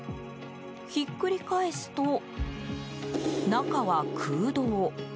ひっくり返すと中は空洞。